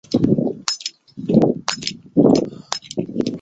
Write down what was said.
英语盲文是记录英语的盲文。